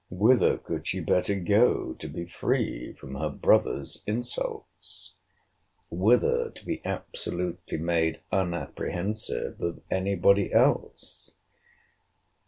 Whither could she better go, to be free from her brother's insults?—Whither, to be absolutely made unapprehensive of any body else?